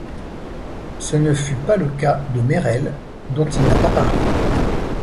Ce ne fût pas le cas de Merél, dont il n'a pas parlé.